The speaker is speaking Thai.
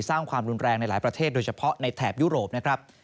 สร้างความรุนแรงในหลายประเทศโดยเฉพาะในแถบยุโรปนะครับ